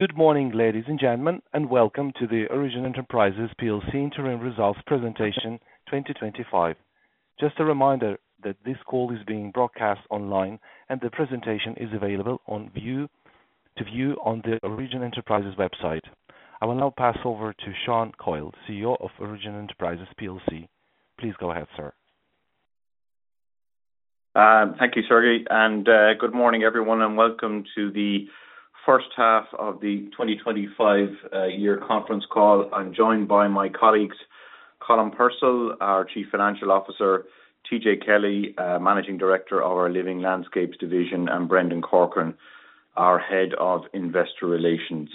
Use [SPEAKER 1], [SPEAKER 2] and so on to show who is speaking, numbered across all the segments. [SPEAKER 1] Good morning, ladies and gentlemen, and welcome to the Origin Enterprises Interim Results Presentation 2025. Just a reminder that this call is being broadcast online, and the presentation is available to view on the Origin Enterprises website. I will now pass over to Sean Coyle, CEO of Origin Enterprises. Please go ahead, sir.
[SPEAKER 2] Thank you, Sergey. Good morning, everyone, and welcome to the first half of the 2025 year conference call. I'm joined by my colleagues, Colm Purcell, our Chief Financial Officer, TJ Kelly, Managing Director of our Living Landscapes Division, and Brendan Corcoran, our Head of Investor Relations.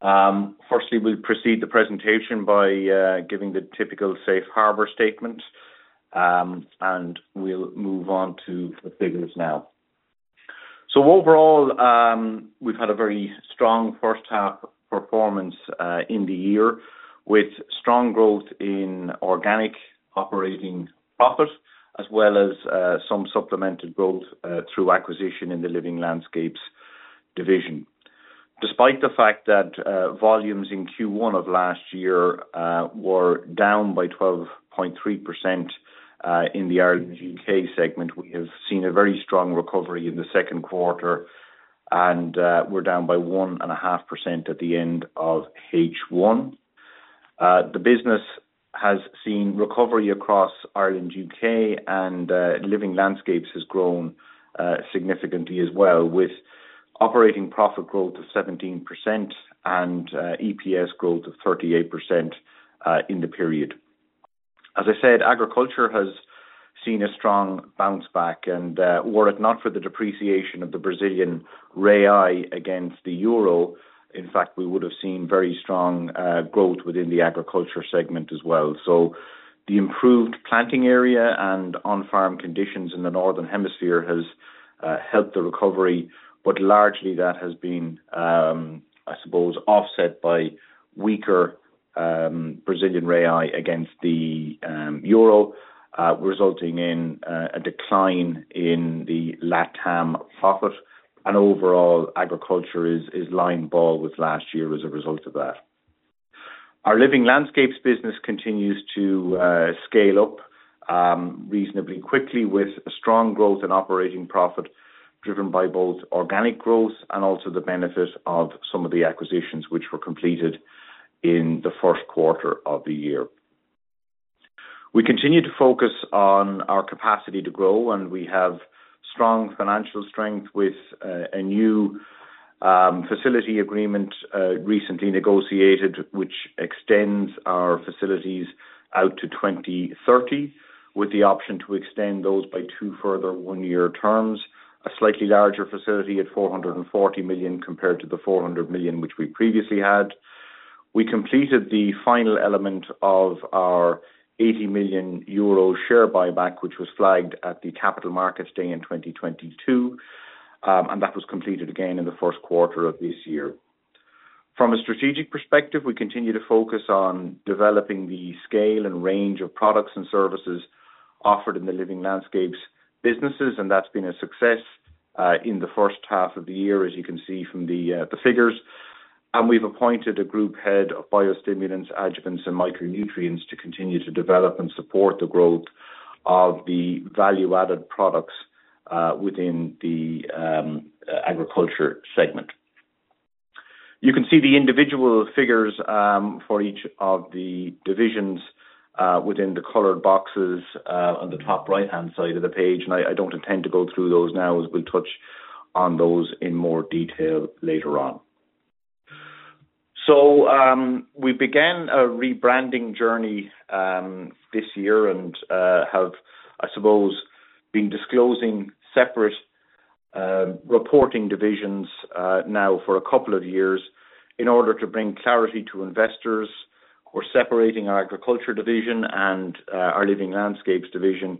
[SPEAKER 2] Firstly, we'll proceed the presentation by giving the typical safe harbor statement, and we'll move on to the figures now. Overall, we've had a very strong first-half performance in the year with strong growth in organic operating profit as well as some supplemented growth through acquisition in the Living Landscapes Division. Despite the fact that volumes in Q1 of last year were down by 12.3% in the Ireland U.K. segment, we have seen a very strong recovery in the second quarter, and we're down by 1.5% at the end of H1. The business has seen recovery across Ireland, U.K., and Living Landscapes has grown significantly as well with operating profit growth of 17% and EPS growth of 38% in the period. As I said, agriculture has seen a strong bounce back, and were it not for the depreciation of the Brazilian real against the euro, in fact, we would have seen very strong growth within the agriculture segment as well. The improved planting area and on-farm conditions in the northern hemisphere has helped the recovery, but largely that has been, I suppose, offset by weaker Brazilian real against the euro, resulting in a decline in the LATAM profit. Overall, agriculture is line ball with last year as a result of that. Our Living Landscapes business continues to scale up reasonably quickly with strong growth and operating profit driven by both organic growth and also the benefit of some of the acquisitions which were completed in the first quarter of the year. We continue to focus on our capacity to grow, and we have strong financial strength with a new facility agreement recently negotiated, which extends our facilities out to 2030 with the option to extend those by two further one-year terms, a slightly larger facility at 440 million compared to the 400 million which we previously had. We completed the final element of our 80 million euro share buyback, which was flagged at the Capital Markets Day in 2022, and that was completed again in the first quarter of this year. From a strategic perspective, we continue to focus on developing the scale and range of products and services offered in the Living Landscapes businesses, and that's been a success in the first half of the year, as you can see from the figures. We have appointed a group head of biostimulants, adjuvants, and micronutrients to continue to develop and support the growth of the value-added products within the agriculture segment. You can see the individual figures for each of the divisions within the colored boxes on the top right-hand side of the page, and I don't intend to go through those now as we'll touch on those in more detail later on. We began a rebranding journey this year and have, I suppose, been disclosing separate reporting divisions now for a couple of years in order to bring clarity to investors. We're separating our agriculture division and our Living Landscapes division,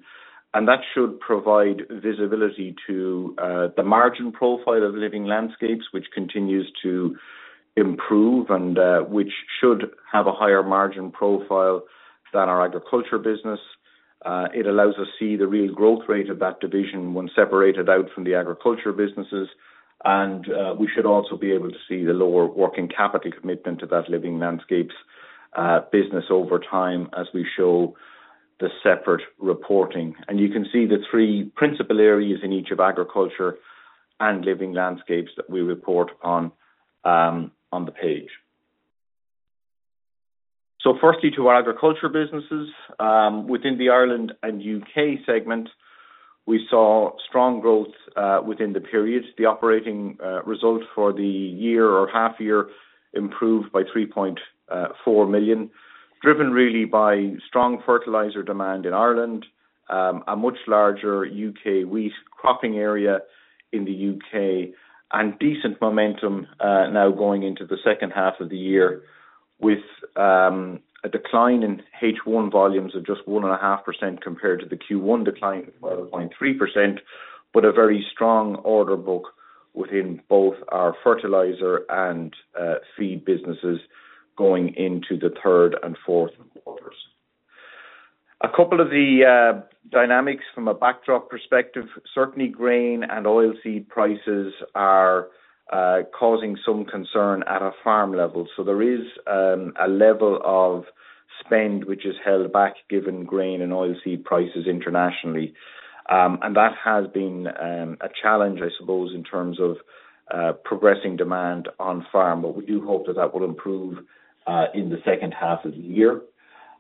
[SPEAKER 2] and that should provide visibility to the margin profile of Living Landscapes, which continues to improve and which should have a higher margin profile than our agriculture business. It allows us to see the real growth rate of that division when separated out from the agriculture businesses, and we should also be able to see the lower working capital commitment to that Living Landscapes business over time as we show the separate reporting. You can see the three principal areas in each of agriculture and Living Landscapes that we report on the page. Firstly, to our agriculture businesses, within the Ireland and U.K. segment, we saw strong growth within the period. The operating result for the year or half year improved by 3.4 million, driven really by strong fertilizer demand in Ireland, a much larger U.K. wheat cropping area in the U.K., and decent momentum now going into the second half of the year with a decline in H1 volumes of just 1.5% compared to the Q1 decline of 12.3%, but a very strong order book within both our fertilizer and feed businesses going into the third and fourth quarters. A couple of the dynamics from a backdrop perspective, certainly grain and oilseed prices are causing some concern at a farm level. There is a level of spend which is held back given grain and oilseed prices internationally, and that has been a challenge, I suppose, in terms of progressing demand on farm, but we do hope that that will improve in the second half of the year.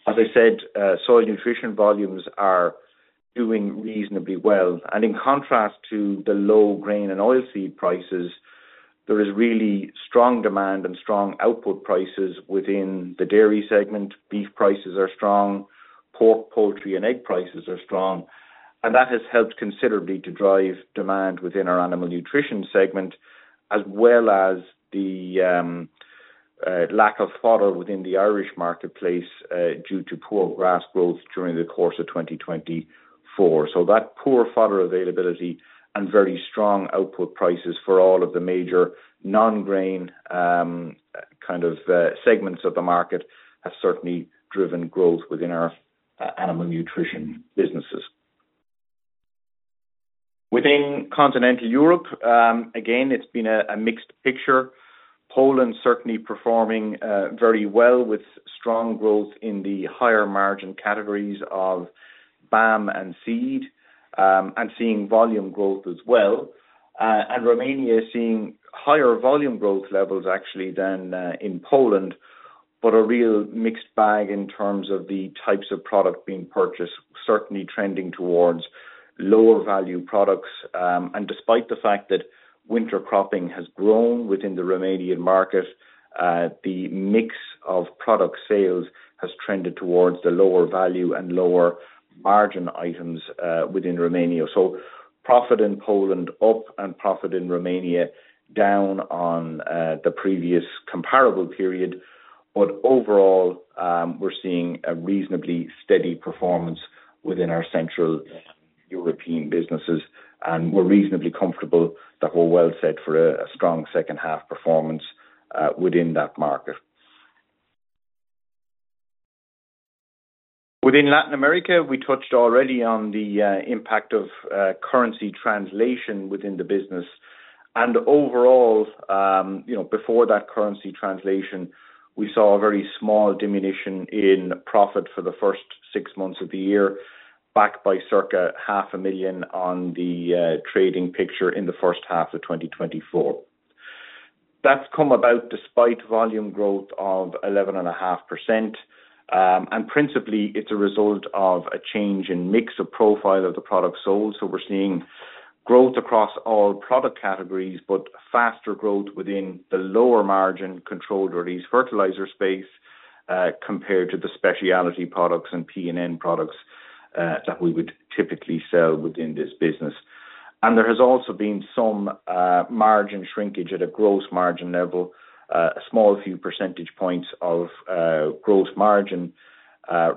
[SPEAKER 2] As I said, soil nutrition volumes are doing reasonably well. In contrast to the low grain and oilseed prices, there is really strong demand and strong output prices within the dairy segment. Beef prices are strong. Pork, poultry, and egg prices are strong, and that has helped considerably to drive demand within our animal nutrition segment, as well as the lack of fodder within the Irish marketplace due to poor grass growth during the course of 2024. That poor fodder availability and very strong output prices for all of the major non-grain kind of segments of the market have certainly driven growth within our animal nutrition businesses. Within continental Europe, again, it is been a mixed picture. Poland certainly performing very well with strong growth in the higher margin categories of BAM and seed and seeing volume growth as well. Romania is seeing higher volume growth levels actually than in Poland, but a real mixed bag in terms of the types of product being purchased, certainly trending towards lower value products. Despite the fact that winter cropping has grown within the Romanian market, the mix of product sales has trended towards the lower value and lower margin items within Romania. Profit in Poland is up and profit in Romania is down on the previous comparable period, but overall, we're seeing a reasonably steady performance within our central European businesses, and we're reasonably comfortable that we're well set for a strong second half performance within that market. Within Latin America, we touched already on the impact of currency translation within the business. Overall, before that currency translation, we saw a very small diminution in profit for the first six months of the year, backed by approximately 500,000 on the trading picture in the first half of 2024. That has come about despite volume growth of 11.5%. Principally, it is a result of a change in mix of profile of the product sold. We are seeing growth across all product categories, but faster growth within the lower margin controlled or least fertilizer space compared to the specialty products and P&N products that we would typically sell within this business. There has also been some margin shrinkage at a gross margin level, a small few percentage points of gross margin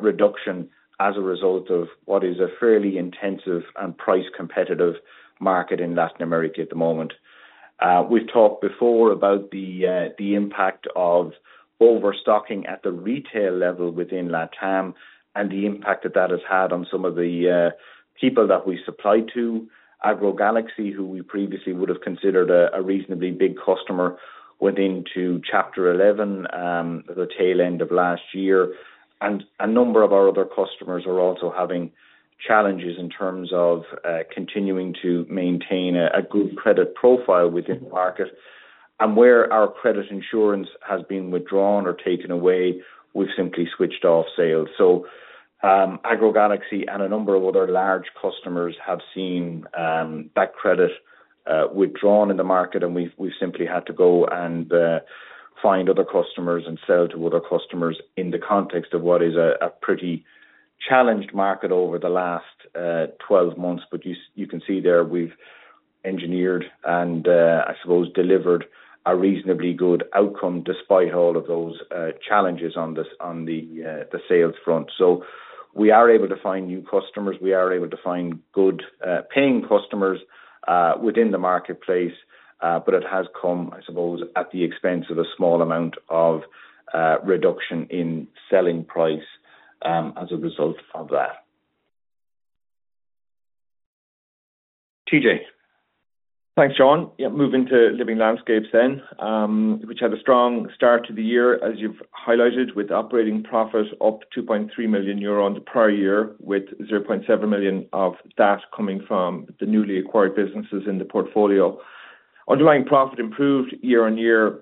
[SPEAKER 2] reduction as a result of what is a fairly intensive and price competitive market in Latin America at the moment. We've talked before about the impact of overstocking at the retail level within LATAM and the impact that that has had on some of the people that we supplied to, AgroGalaxy, who we previously would have considered a reasonably big customer, went into Chapter 11 the tail end of last year. A number of our other customers are also having challenges in terms of continuing to maintain a good credit profile within the market. Where our credit insurance has been withdrawn or taken away, we've simply switched off sales. AgroGalaxy and a number of other large customers have seen that credit withdrawn in the market, and we've simply had to go and find other customers and sell to other customers in the context of what is a pretty challenged market over the last 12 months. You can see there we've engineered and, I suppose, delivered a reasonably good outcome despite all of those challenges on the sales front. We are able to find new customers. We are able to find good paying customers within the marketplace, but it has come, I suppose, at the expense of a small amount of reduction in selling price as a result of that. TJ.
[SPEAKER 3] Thanks, Sean. Yeah, moving to Living Landscapes then, which had a strong start to the year, as you've highlighted, with operating profit up 2.3 million euro on the prior year, with 0.7 million of that coming from the newly acquired businesses in the portfolio. Underlying profit improved year on year,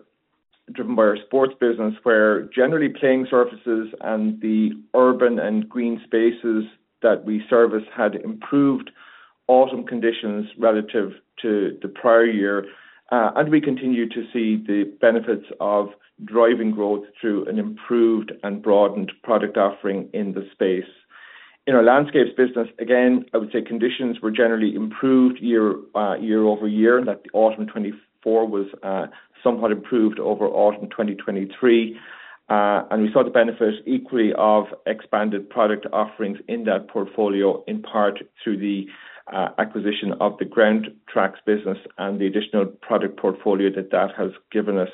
[SPEAKER 3] driven by our sports business, where generally playing surfaces and the urban and green spaces that we service had improved autumn conditions relative to the prior year. We continue to see the benefits of driving growth through an improved and broadened product offering in the space. In our landscapes business, again, I would say conditions were generally improved year over year, and that autumn 2024 was somewhat improved over autumn 2023. We saw the benefit equally of expanded product offerings in that portfolio, in part through the acquisition of the Ground Tracks business and the additional product portfolio that that has given us.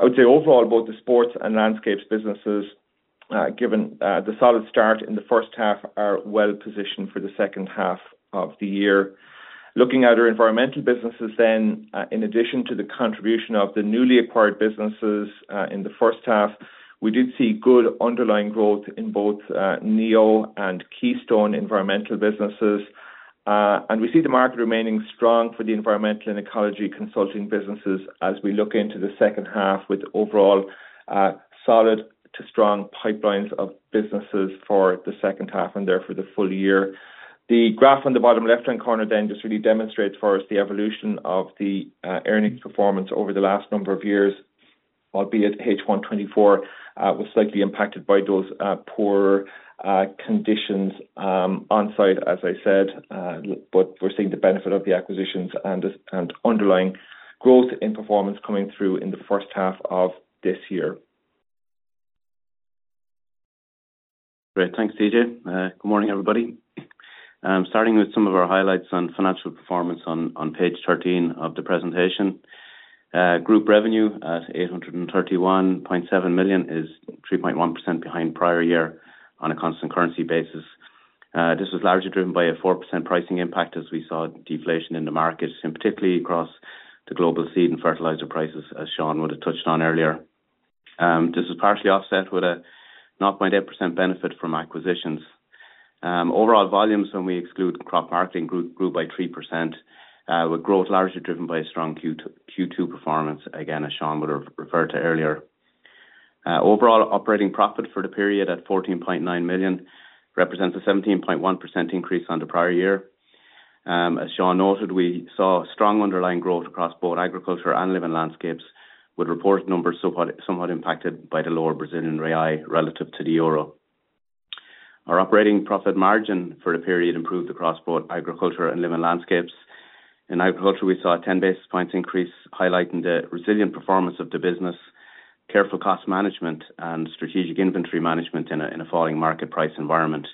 [SPEAKER 3] I would say overall, both the sports and landscapes businesses, given the solid start in the first half, are well positioned for the second half of the year. Looking at our environmental businesses then, in addition to the contribution of the newly acquired businesses in the first half, we did see good underlying growth in both NEO and Keystone environmental businesses. We see the market remaining strong for the environmental and ecology consulting businesses as we look into the second half, with overall solid to strong pipelines of businesses for the second half and therefore the full year. The graph on the bottom left-hand corner then just really demonstrates for us the evolution of the earnings performance over the last number of years, albeit H1 2024 was slightly impacted by those poor conditions on site, as I said, but we're seeing the benefit of the acquisitions and underlying growth in performance coming through in the first half of this year.
[SPEAKER 4] Great. Thanks, TJ. Good morning, everybody. Starting with some of our highlights on financial performance on page 13 of the presentation. Group revenue at 831.7 million is 3.1% behind prior year on a constant currency basis. This was largely driven by a 4% pricing impact as we saw deflation in the markets, and particularly across the global seed and fertilizer prices, as Sean would have touched on earlier. This was partially offset with a 0.8% benefit from acquisitions. Overall volumes, when we exclude crop marketing, grew by 3%, with growth largely driven by strong Q2 performance, again, as Sean would have referred to earlier. Overall operating profit for the period at 14.9 million represents a 17.1% increase on the prior year. As Sean noted, we saw strong underlying growth across both agriculture and Living Landscapes, with reported numbers somewhat impacted by the lower Brazilian real relative to the euro. Our operating profit margin for the period improved across both agriculture and living landscapes. In agriculture, we saw a 10 basis points increase, highlighting the resilient performance of the business, careful cost management, and strategic inventory management in a falling market price environment.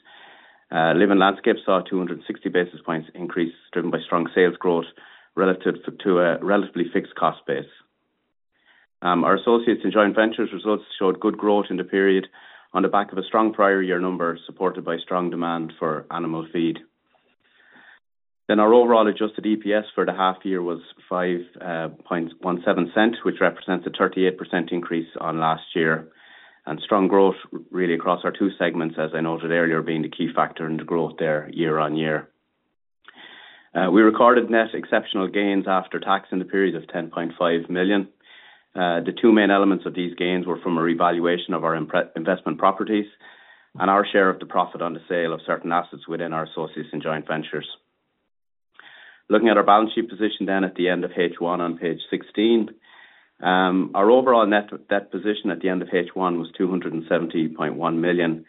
[SPEAKER 4] Living landscapes saw a 260 basis points increase, driven by strong sales growth relative to a relatively fixed cost base. Our associates in joint ventures results showed good growth in the period on the back of a strong prior year number supported by strong demand for animal feed. Our overall adjusted EPS for the half year was €0.0517, which represents a 38% increase on last year. Strong growth really across our two segments, as I noted earlier, being the key factor in the growth there year on year. We recorded net exceptional gains after tax in the period of €10.5 million. The two main elements of these gains were from a revaluation of our investment properties and our share of the profit on the sale of certain assets within our associates in joint ventures. Looking at our balance sheet position at the end of H1 on page 16, our overall net position at the end of H1 was 270.1 million,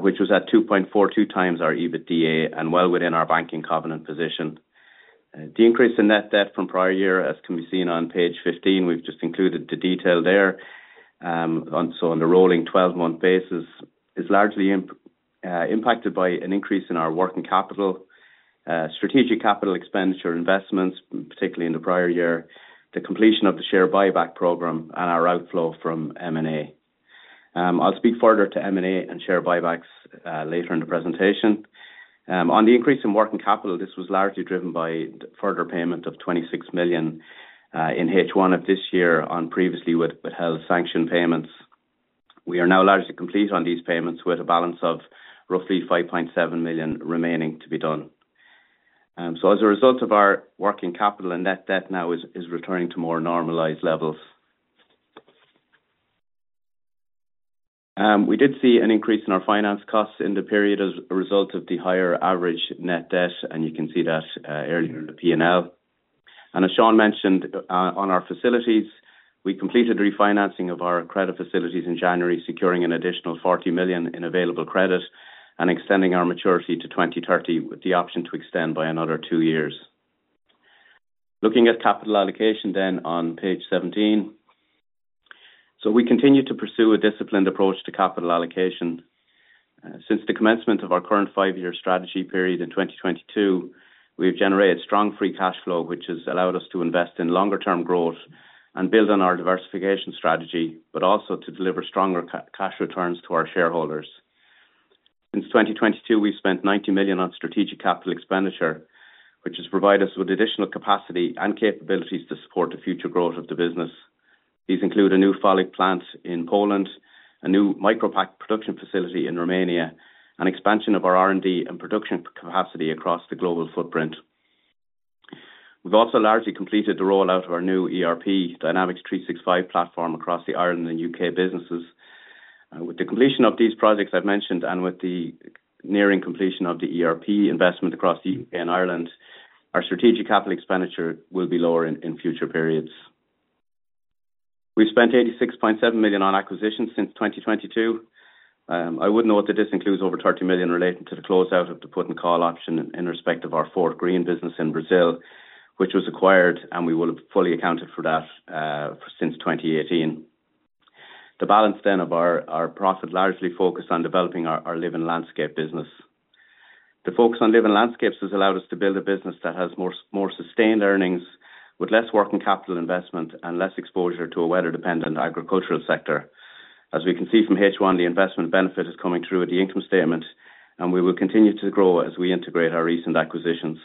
[SPEAKER 4] which was at 2.42 times our EBITDA and well within our banking covenant position. The increase in net debt from prior year, as can be seen on page 15, we've just included the detail there. On the rolling 12-month basis, it is largely impacted by an increase in our working capital, strategic capital expenditure investments, particularly in the prior year, the completion of the share buyback program, and our outflow from M&A. I'll speak further to M&A and share buybacks later in the presentation. On the increase in working capital, this was largely driven by further payment of 26 million in H1 of this year on previously withheld sanction payments. We are now largely complete on these payments with a balance of roughly 5.7 million remaining to be done. As a result of our working capital, net debt now is returning to more normalized levels. We did see an increase in our finance costs in the period as a result of the higher average net debt, and you can see that earlier in the P&L. As Sean mentioned, on our facilities, we completed refinancing of our credit facilities in January, securing an additional 40 million in available credit and extending our maturity to 2030 with the option to extend by another two years. Looking at capital allocation then on page 17, we continue to pursue a disciplined approach to capital allocation. Since the commencement of our current five-year strategy period in 2022, we have generated strong free cash flow, which has allowed us to invest in longer-term growth and build on our diversification strategy, but also to deliver stronger cash returns to our shareholders. Since 2022, we've spent 90 million on strategic capital expenditure, which has provided us with additional capacity and capabilities to support the future growth of the business. These include a new Foley plant in Poland, a new micropack production facility in Romania, and expansion of our R&D and production capacity across the global footprint. We've also largely completed the rollout of our new ERP Dynamics 365 platform across the Ireland and U.K. businesses. With the completion of these projects I've mentioned and with the nearing completion of the ERP investment across the U.K. and Ireland, our strategic capital expenditure will be lower in future periods. We've spent 86.7 million on acquisitions since 2022. I would note that this includes over 30 million related to the closeout of the put and call option in respect of our Ford Green business in Brazil, which was acquired, and we will have fully accounted for that since 2018. The balance then of our profit largely focused on developing our living landscape business. The focus on living landscapes has allowed us to build a business that has more sustained earnings with less working capital investment and less exposure to a weather-dependent agricultural sector. As we can see from H1, the investment benefit is coming through at the income statement, and we will continue to grow as we integrate our recent acquisitions.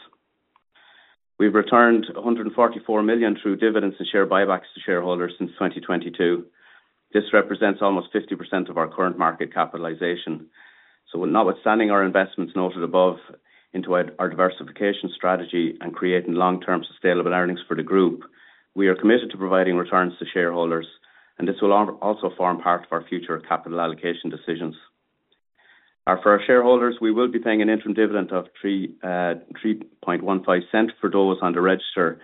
[SPEAKER 4] We've returned 144 million through dividends and share buybacks to shareholders since 2022. This represents almost 50% of our current market capitalization. In notwithstanding our investments noted above into our diversification strategy and creating long-term sustainable earnings for the group, we are committed to providing returns to shareholders, and this will also form part of our future capital allocation decisions. For our shareholders, we will be paying an interim dividend of 0.0315 for those under register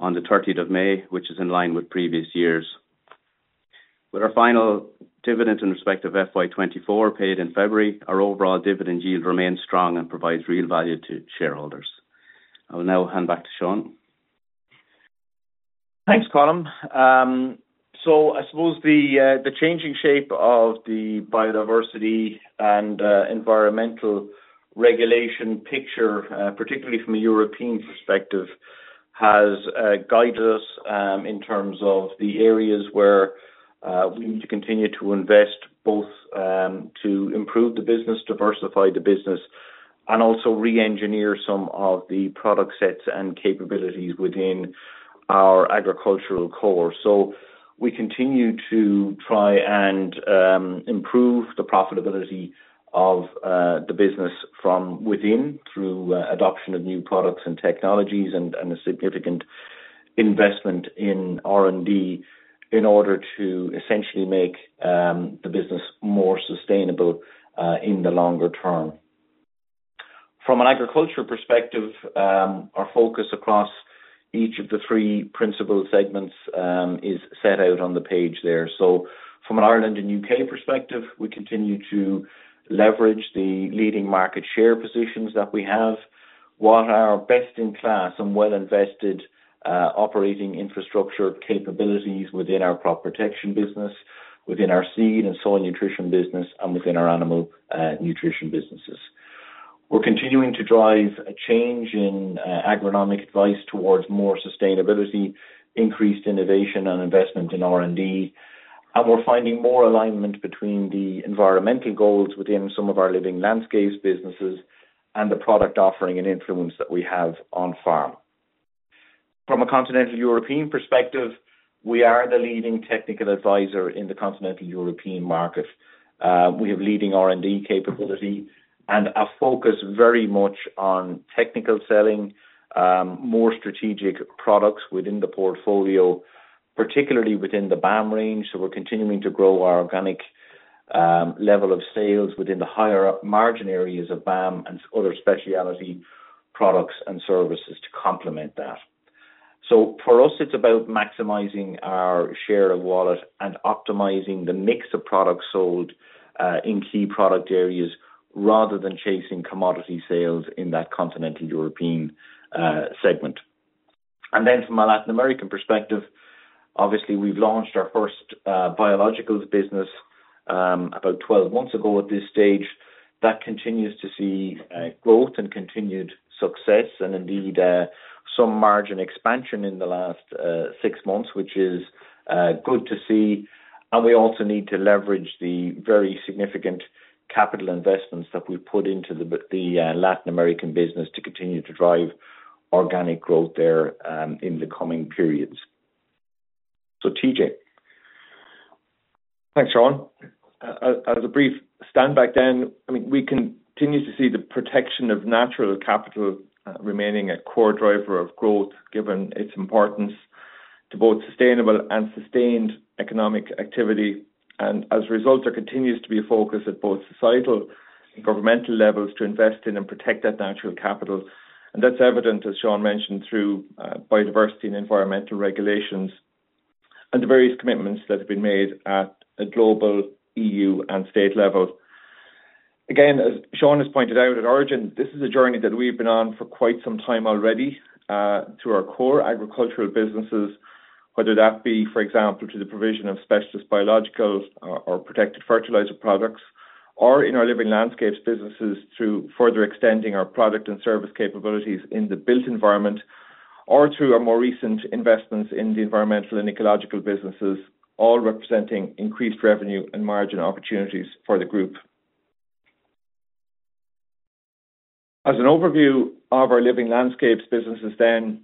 [SPEAKER 4] on the 30th of May, which is in line with previous years. With our final dividend in respect of FY2024 paid in February, our overall dividend yield remains strong and provides real value to shareholders. I will now hand back to Sean.
[SPEAKER 2] Thanks, Colm. I suppose the changing shape of the biodiversity and environmental regulation picture, particularly from a European perspective, has guided us in terms of the areas where we need to continue to invest both to improve the business, diversify the business, and also re-engineer some of the product sets and capabilities within our agricultural core. We continue to try and improve the profitability of the business from within through adoption of new products and technologies and a significant investment in R&D in order to essentially make the business more sustainable in the longer term. From an agriculture perspective, our focus across each of the three principal segments is set out on the page there. From an Ireland and U.K. perspective, we continue to leverage the leading market share positions that we have, while our best-in-class and well-invested operating infrastructure capabilities within our crop protection business, within our seed and soil nutrition business, and within our animal nutrition businesses. We are continuing to drive a change in agronomic advice towards more sustainability, increased innovation, and investment in R&D. We are finding more alignment between the environmental goals within some of our Living Landscapes businesses and the product offering and influence that we have on farm. From a continental European perspective, we are the leading technical advisor in the continental European market. We have leading R&D capability and a focus very much on technical selling, more strategic products within the portfolio, particularly within the BAM range. We're continuing to grow our organic level of sales within the higher margin areas of BAM and other specialty products and services to complement that. For us, it's about maximizing our share of wallet and optimizing the mix of products sold in key product areas rather than chasing commodity sales in that continental European segment. From a Latin American perspective, obviously, we've launched our first biologicals business about 12 months ago at this stage. That continues to see growth and continued success and indeed some margin expansion in the last six months, which is good to see. We also need to leverage the very significant capital investments that we've put into the Latin American business to continue to drive organic growth there in the coming periods. TJ.
[SPEAKER 3] Thanks, Sean. As a brief standback then, I mean, we continue to see the protection of natural capital remaining a core driver of growth, given its importance to both sustainable and sustained economic activity. As a result, there continues to be a focus at both societal and governmental levels to invest in and protect that natural capital. That's evident, as Sean mentioned, through biodiversity and environmental regulations and the various commitments that have been made at a global EU and state level. Again, as Sean has pointed out at Origin, this is a journey that we've been on for quite some time already through our core agricultural businesses, whether that be, for example, the provision of specialist biologicals or protected fertilizer products, or in our Living Landscapes businesses through further extending our product and service capabilities in the built environment, or through our more recent investments in the environmental and ecological businesses, all representing increased revenue and margin opportunities for the group. As an overview of our Living Landscapes businesses then,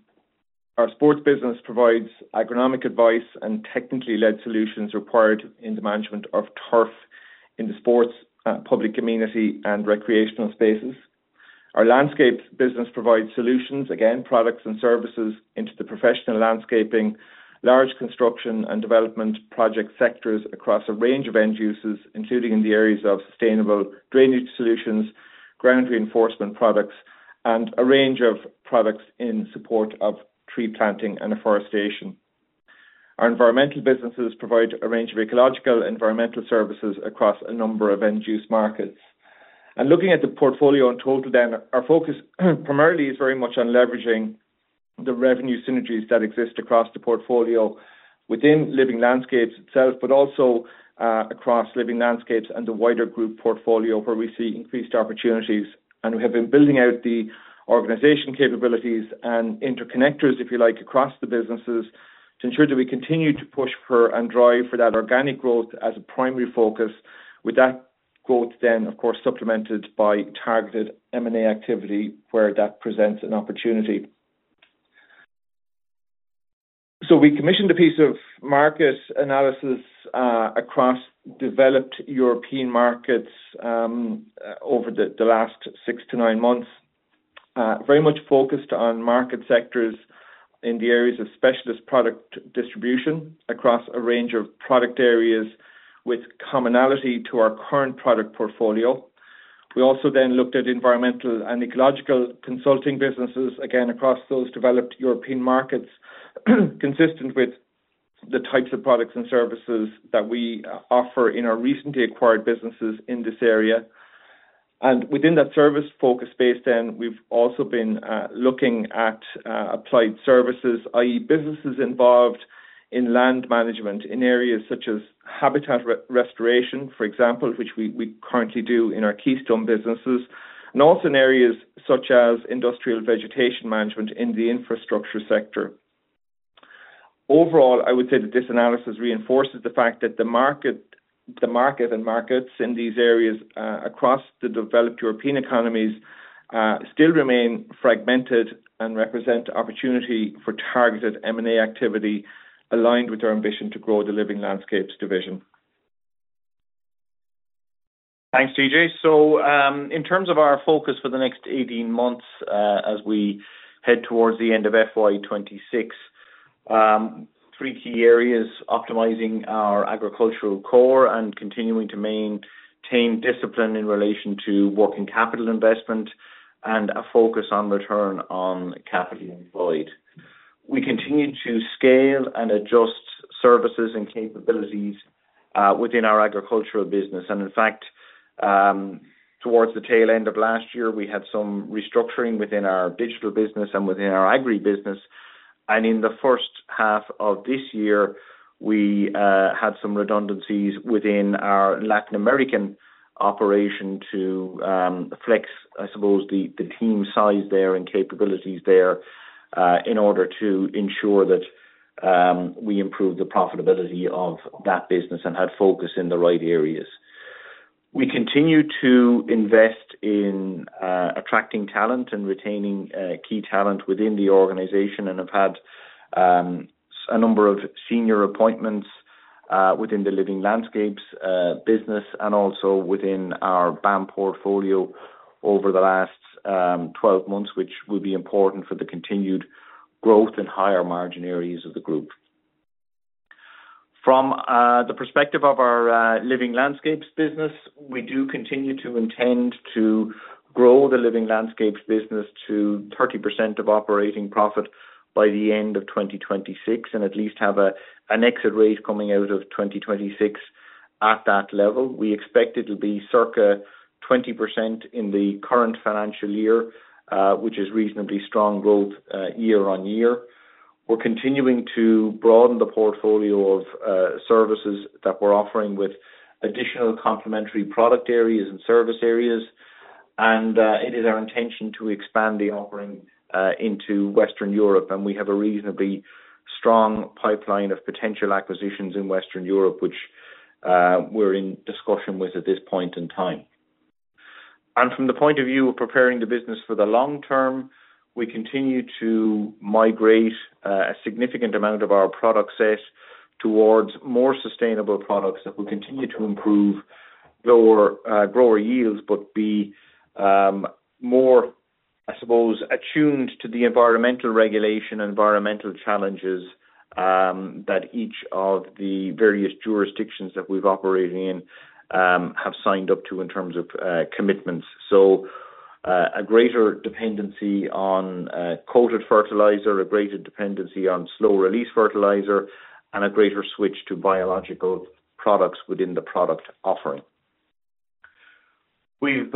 [SPEAKER 3] our sports business provides agronomic advice and technically led solutions required in the management of turf in the sports, public community, and recreational spaces. Our landscapes business provides solutions, again, products and services into the professional landscaping, large construction, and development project sectors across a range of end uses, including in the areas of sustainable drainage solutions, ground reinforcement products, and a range of products in support of tree planting and afforestation. Our environmental businesses provide a range of ecological and environmental services across a number of end-use markets. Looking at the portfolio in total then, our focus primarily is very much on leveraging the revenue synergies that exist across the portfolio within living landscapes itself, but also across living landscapes and the wider group portfolio where we see increased opportunities. We have been building out the organization capabilities and interconnectors, if you like, across the businesses to ensure that we continue to push for and drive for that organic growth as a primary focus, with that growth then, of course, supplemented by targeted M&A activity where that presents an opportunity. We commissioned a piece of market analysis across developed European markets over the last six to nine months, very much focused on market sectors in the areas of specialist product distribution across a range of product areas with commonality to our current product portfolio. We also then looked at environmental and ecological consulting businesses, again, across those developed European markets, consistent with the types of products and services that we offer in our recently acquired businesses in this area. Within that service focus space, we've also been looking at applied services, i.e., businesses involved in land management in areas such as habitat restoration, for example, which we currently do in our Keystone businesses, and also in areas such as industrial vegetation management in the infrastructure sector. Overall, I would say that this analysis reinforces the fact that the market and markets in these areas across the developed European economies still remain fragmented and represent opportunity for targeted M&A activity aligned with our ambition to grow the Living Landscapes division.
[SPEAKER 2] Thanks, TJ. In terms of our focus for the next 18 months as we head towards the end of FY2026, three key areas: optimizing our agricultural core and continuing to maintain discipline in relation to working capital investment and a focus on return on capital employed. We continue to scale and adjust services and capabilities within our agricultural business. In fact, towards the tail end of last year, we had some restructuring within our digital business and within our agri business. In the first half of this year, we had some redundancies within our Latin American operation to flex, I suppose, the team size there and capabilities there in order to ensure that we improve the profitability of that business and had focus in the right areas. We continue to invest in attracting talent and retaining key talent within the organization and have had a number of senior appointments within the Living Landscapes business and also within our BAM portfolio over the last 12 months, which will be important for the continued growth and higher margin areas of the group. From the perspective of our Living Landscapes business, we do continue to intend to grow the Living Landscapes business to 30% of operating profit by the end of 2026 and at least have an exit rate coming out of 2026 at that level. We expect it will be circa 20% in the current financial year, which is reasonably strong growth year on year. We are continuing to broaden the portfolio of services that we are offering with additional complementary product areas and service areas. It is our intention to expand the offering into Western Europe. We have a reasonably strong pipeline of potential acquisitions in Western Europe, which we are in discussion with at this point in time. From the point of view of preparing the business for the long term, we continue to migrate a significant amount of our product set towards more sustainable products that will continue to improve grower yields but be more, I suppose, attuned to the environmental regulation and environmental challenges that each of the various jurisdictions that we've operated in have signed up to in terms of commitments. A greater dependency on coated fertilizer, a greater dependency on slow-release fertilizer, and a greater switch to biological products within the product offering. We've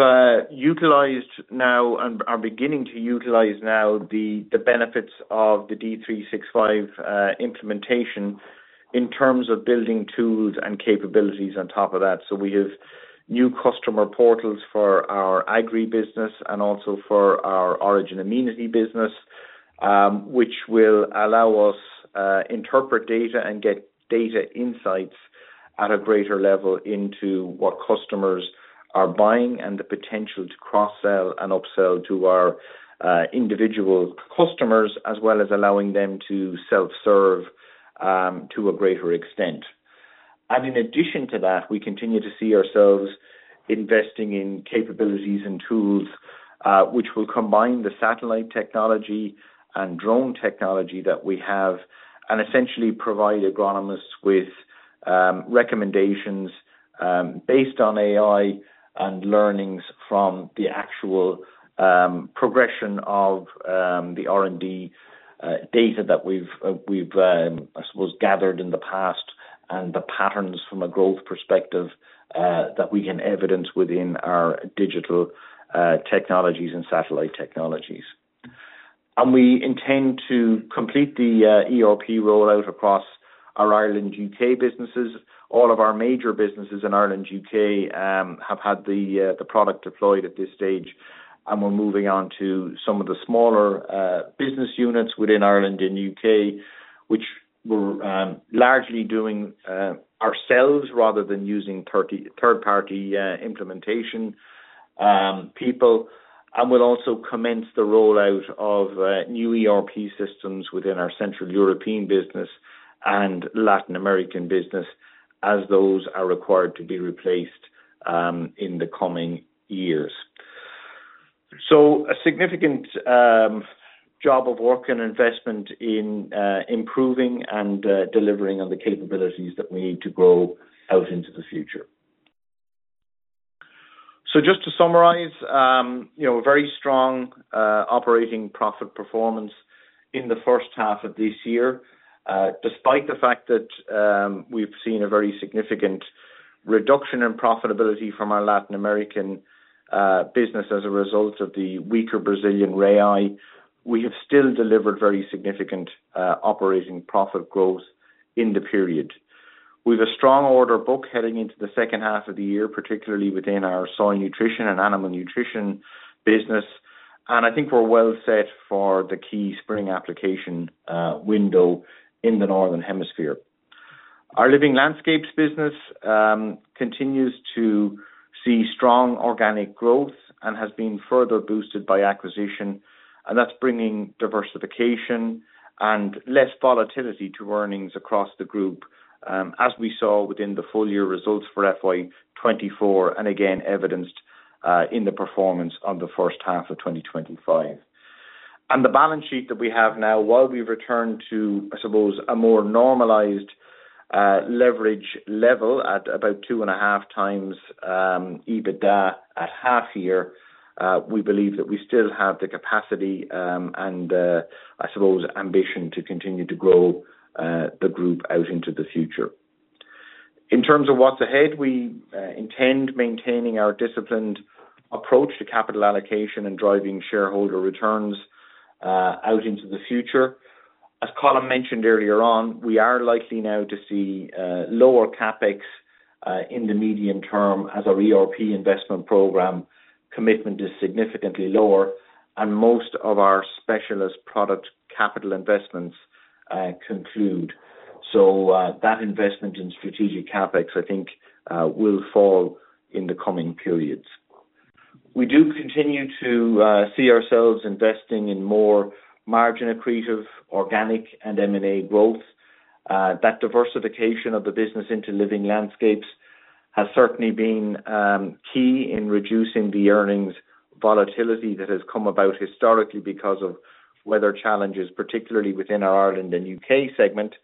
[SPEAKER 2] utilized now and are beginning to utilize now the benefits of the D365 implementation in terms of building tools and capabilities on top of that. We have new customer portals for our agri business and also for our Origin Amenity business, which will allow us to interpret data and get data insights at a greater level into what customers are buying and the potential to cross-sell and upsell to our individual customers, as well as allowing them to self-serve to a greater extent. In addition to that, we continue to see ourselves investing in capabilities and tools which will combine the satellite technology and drone technology that we have and essentially provide agronomists with recommendations based on AI and learnings from the actual progression of the R&D data that we've, I suppose, gathered in the past and the patterns from a growth perspective that we can evidence within our digital technologies and satellite technologies. We intend to complete the ERP rollout across our Ireland-U.K. businesses. All of our major businesses in Ireland-U.K. have had the product deployed at this stage. We are moving on to some of the smaller business units within Ireland and U.K., which we are largely doing ourselves rather than using third-party implementation people. We will also commence the rollout of new ERP systems within our Central European business and Latin American business as those are required to be replaced in the coming years. A significant job of work and investment in improving and delivering on the capabilities that we need to grow out into the future. Just to summarize, a very strong operating profit performance in the first half of this year. Despite the fact that we have seen a very significant reduction in profitability from our Latin American business as a result of the weaker Brazilian Real, we have still delivered very significant operating profit growth in the period. We have a strong order book heading into the second half of the year, particularly within our soil nutrition and animal nutrition business. I think we're well set for the key spring application window in the northern hemisphere. Our Living Landscapes business continues to see strong organic growth and has been further boosted by acquisition. That is bringing diversification and less volatility to earnings across the group, as we saw within the full year results for FY2024 and again evidenced in the performance of the first half of 2025. The balance sheet that we have now, while we've returned to, I suppose, a more normalized leverage level at about 2.5 times EBITDA at half year, we believe that we still have the capacity and, I suppose, ambition to continue to grow the group out into the future. In terms of what's ahead, we intend maintaining our disciplined approach to capital allocation and driving shareholder returns out into the future. As Colm mentioned earlier on, we are likely now to see lower CapEx in the medium term as our ERP investment program commitment is significantly lower, and most of our specialist product capital investments conclude. That investment in strategic CapEx, I think, will fall in the coming periods. We do continue to see ourselves investing in more margin accretive, organic, and M&A growth. That diversification of the business into living landscapes has certainly been key in reducing the earnings volatility that has come about historically because of weather challenges, particularly within our Ireland and U.K. segment.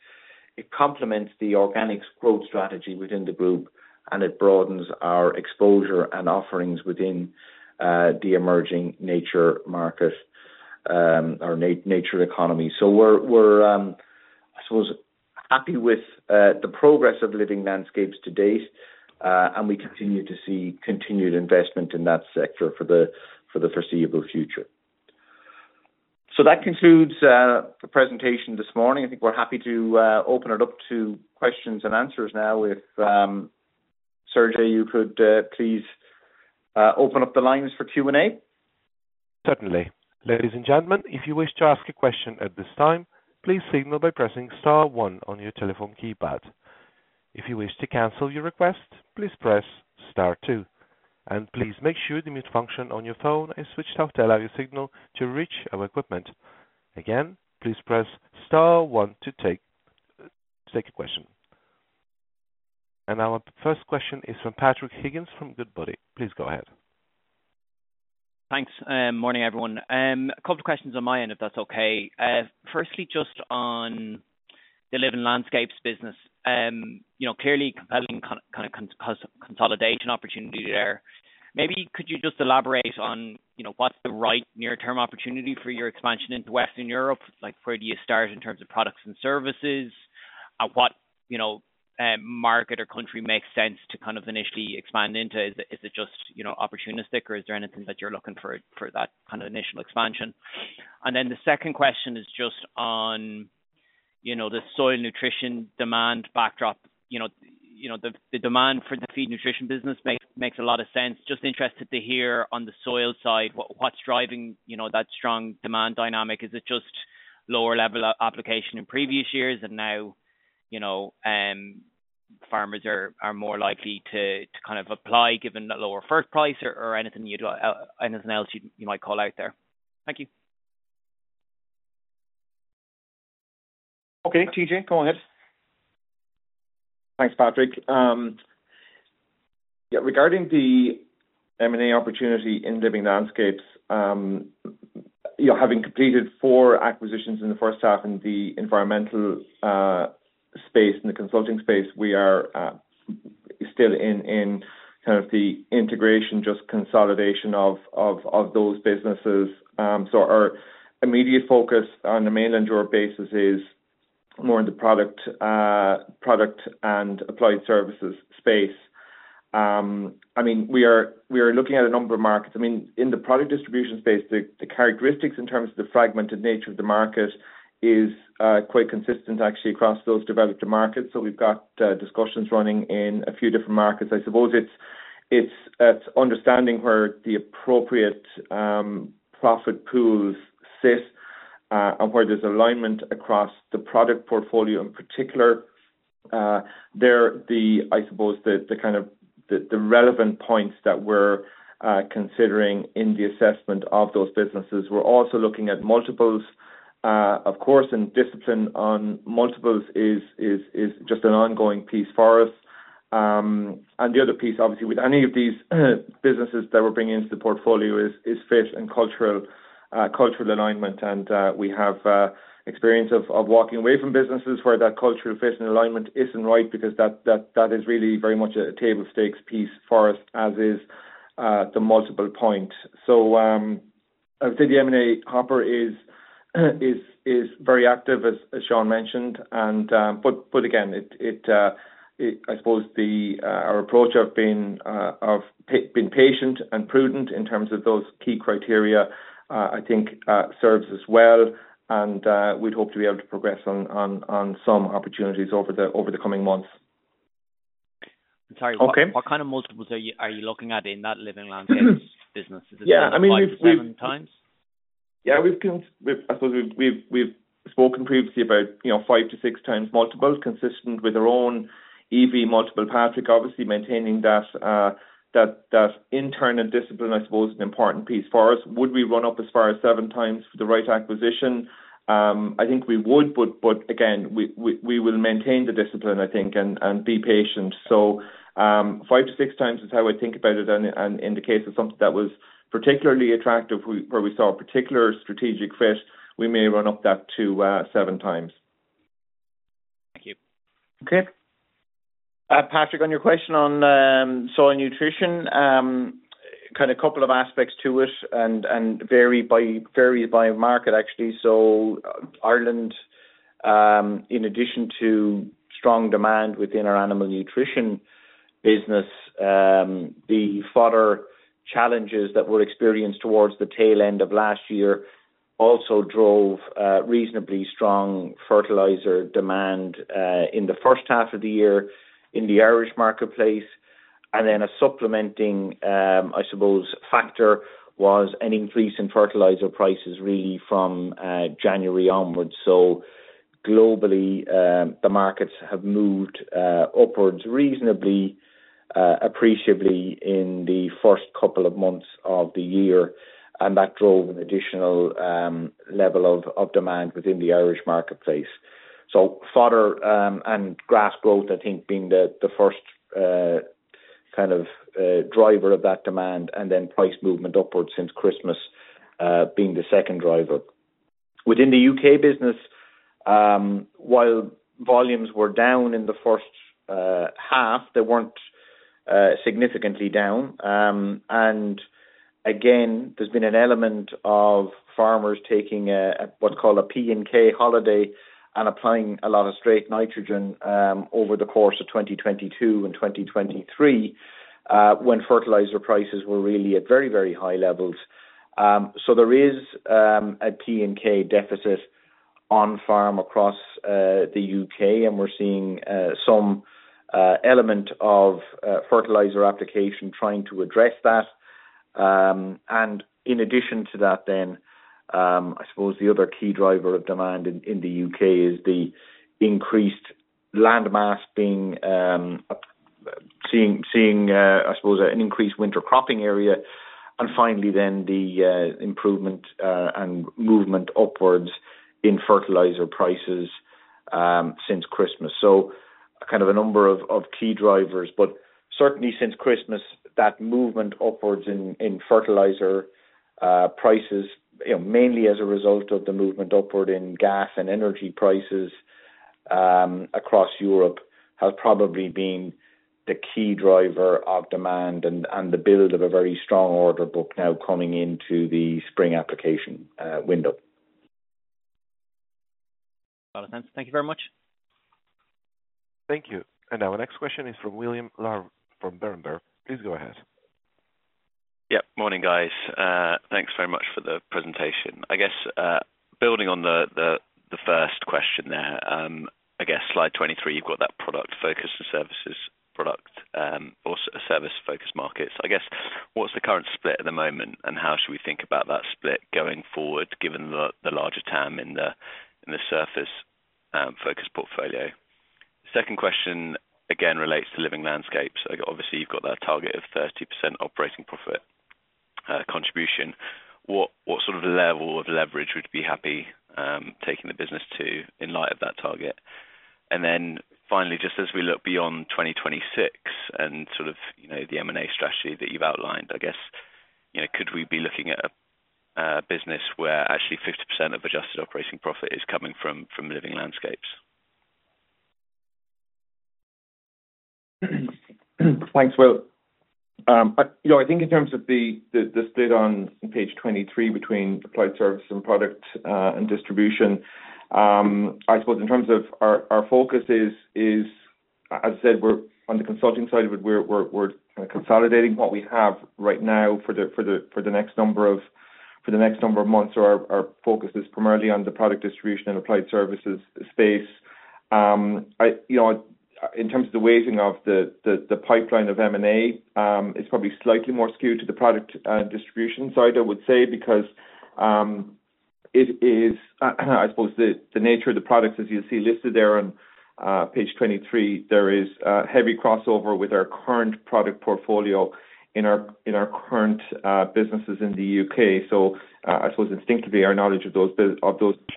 [SPEAKER 2] It complements the organics growth strategy within the group, and it broadens our exposure and offerings within the emerging nature market, our nature economy. We're, I suppose, happy with the progress of Living Landscapes to date, and we continue to see continued investment in that sector for the foreseeable future. That concludes the presentation this morning. I think we're happy to open it up to questions and answers now. If, Sergey, you could please open up the lines for Q&A.
[SPEAKER 1] Certainly. Ladies and gentlemen, if you wish to ask a question at this time, please signal by pressing Star 1 on your telephone keypad. If you wish to cancel your request, please press Star 2. Please make sure the mute function on your phone is switched off to allow your signal to reach our equipment. Again, please press Star 1 to take a question. Our first question is from Patrick Higgins from Goodbody. Please go ahead. Thanks. Morning, everyone. A couple of questions on my end, if that's okay.
[SPEAKER 5] Firstly, just on the Living Landscapes business, clearly compelling kind of consolidation opportunity there. Maybe could you just elaborate on what's the right near-term opportunity for your expansion into Western Europe? Where do you start in terms of products and services? What market or country makes sense to kind of initially expand into? Is it just opportunistic, or is there anything that you're looking for for that kind of initial expansion? The second question is just on the soil nutrition demand backdrop. The demand for the feed nutrition business makes a lot of sense. Just interested to hear on the soil side, what's driving that strong demand dynamic? Is it just lower level application in previous years, and now farmers are more likely to kind of apply given a lower first price or anything else you might call out there? Thank you. Okay, TJ, go ahead.
[SPEAKER 3] Thanks, Patrick. Yeah, regarding the M&A opportunity in Living Landscapes, having completed four acquisitions in the first half in the environmental space and the consulting space, we are still in kind of the integration, just consolidation of those businesses. Our immediate focus on the mainland Europe basis is more in the product and applied services space. I mean, we are looking at a number of markets. I mean, in the product distribution space, the characteristics in terms of the fragmented nature of the market is quite consistent, actually, across those developed markets. We have discussions running in a few different markets. I suppose it is understanding where the appropriate profit pools sit and where there is alignment across the product portfolio in particular. I suppose the kind of relevant points that we are considering in the assessment of those businesses. We're also looking at multiples, of course, and discipline on multiples is just an ongoing piece for us. The other piece, obviously, with any of these businesses that we're bringing into the portfolio is fit and cultural alignment. We have experience of walking away from businesses where that cultural fit and alignment isn't right because that is really very much a table stakes piece for us, as is the multiple point. I would say the M&A hopper is very active, as Sean mentioned. Again, I suppose our approach of being patient and prudent in terms of those key criteria, I think, serves us well. We'd hope to be able to progress on some opportunities over the coming months.
[SPEAKER 5] Sorry, what kind of multiples are you looking at in that Living Landscapes business? Is it seven times?
[SPEAKER 3] Yeah, I suppose we've spoken previously about five- to six-times multiples, consistent with our own EV multiple. Patrick, obviously, maintaining that internal discipline, I suppose, is an important piece for us. Would we run up as far as seven times for the right acquisition? I think we would. Again, we will maintain the discipline, I think, and be patient. Five to six times is how I think about it. In the case of something that was particularly attractive, where we saw a particular strategic fit, we may run up that to seven times.
[SPEAKER 5] Thank you.
[SPEAKER 2] Okay. Patrick, on your question on soil nutrition, kind of a couple of aspects to it and varies by market, actually. Ireland, in addition to strong demand within our animal nutrition business, the fodder challenges that were experienced towards the tail end of last year also drove reasonably strong fertilizer demand in the first half of the year in the Irish marketplace. A supplementing, I suppose, factor was an increase in fertilizer prices really from January onwards. Globally, the markets have moved upwards reasonably, appreciably in the first couple of months of the year. That drove an additional level of demand within the Irish marketplace. Fodder and grass growth, I think, being the first kind of driver of that demand, and then price movement upwards since Christmas being the second driver. Within the U.K. business, while volumes were down in the first half, they were not significantly down. There has been an element of farmers taking what's called a P and K holiday and applying a lot of straight nitrogen over the course of 2022 and 2023 when fertilizer prices were really at very, very high levels. There is a P and K deficit on farm across the U.K., and we're seeing some element of fertilizer application trying to address that. In addition to that, the other key driver of demand in the U.K. is the increased landmass, seeing an increased winter cropping area. Finally, the improvement and movement upwards in fertilizer prices since Christmas. There are a number of key drivers. Certainly, since Christmas, that movement upwards in fertilizer prices, mainly as a result of the movement upward in gas and energy prices across Europe, has probably been the key driver of demand and the build of a very strong order book now coming into the spring application window.
[SPEAKER 5] A lot of sense. Thank you very much.
[SPEAKER 1] Thank you. Now our next question is from William Lar from Berenberg. Please go ahead.
[SPEAKER 6] Yep. Morning, guys. Thanks very much for the presentation. I guess building on the first question there, I guess slide 23, you've got that product focus and services product or service focus markets. I guess what's the current split at the moment, and how should we think about that split going forward, given the larger TAM in the surface focus portfolio? Second question, again, relates to living landscapes. Obviously, you've got that target of 30% operating profit contribution. What sort of level of leverage would you be happy taking the business to in light of that target? Finally, just as we look beyond 2026 and sort of the M&A strategy that you've outlined, I guess, could we be looking at a business where actually 50% of adjusted operating profit is coming from Living Landscapes?
[SPEAKER 3] Thanks, Will. I think in terms of the split on page 23 between applied services and product and distribution, I suppose in terms of our focus is, as I said, on the consulting side of it, we're kind of consolidating what we have right now for the next number of months. Our focus is primarily on the product distribution and applied services space. In terms of the weighting of the pipeline of M&A, it's probably slightly more skewed to the product distribution side, I would say, because it is, I suppose, the nature of the products, as you'll see listed there on page 23, there is heavy crossover with our current product portfolio in our current businesses in the U.K. I suppose instinctively, our knowledge of those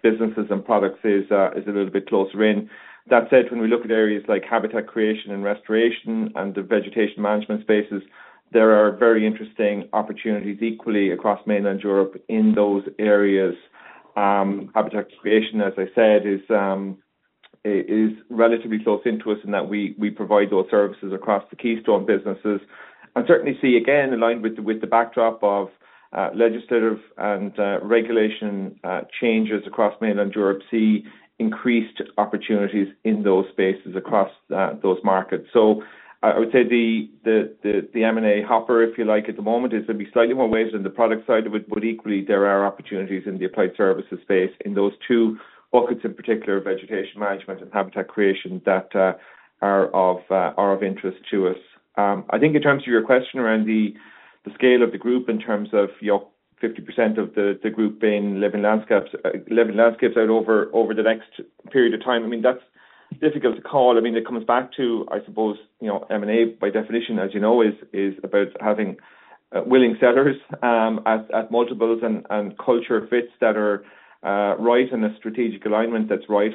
[SPEAKER 3] businesses and products is a little bit closer in. That said, when we look at areas like habitat creation and restoration and the vegetation management spaces, there are very interesting opportunities equally across mainland Europe in those areas. Habitat creation, as I said, is relatively close into us in that we provide those services across the Keystone businesses. Certainly, see, again, aligned with the backdrop of legislative and regulation changes across mainland Europe, see increased opportunities in those spaces across those markets. I would say the M&A hopper, if you like, at the moment is going to be slightly more weighted on the product side of it, but equally, there are opportunities in the applied services space in those two buckets, in particular, vegetation management and habitat creation that are of interest to us. I think in terms of your question around the scale of the group, in terms of 50% of the group being living landscapes out over the next period of time, I mean, that's difficult to call. I mean, it comes back to, I suppose, M&A by definition, as you know, is about having willing sellers at multiples and culture fits that are right and a strategic alignment that's right.